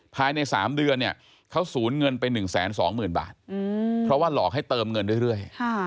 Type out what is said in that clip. ภายใน๓เดือนเนี่ยเขาสูญเงินไป๑๒๐๐๐บาทเพราะว่าหลอกให้เติมเงินเรื่อย